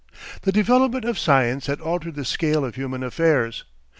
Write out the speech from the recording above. The development of Science had altered the scale of human affairs.